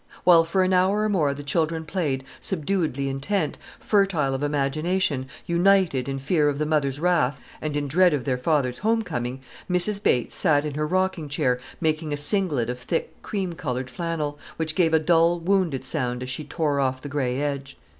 While for an hour or more the children played, subduedly intent, fertile of imagination, united in fear of the mother's wrath, and in dread of their father's home coming, Mrs Bates sat in her rocking chair making a 'singlet' of thick cream coloured flannel, which gave a dull wounded sound as she tore off the grey edge.